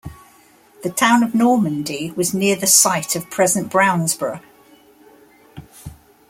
The town of Normandy was near the site of present Brownsboro.